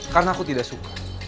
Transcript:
karena aku tidak suka